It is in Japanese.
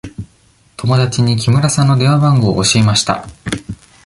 友達に木村さんの電話番号を教えました。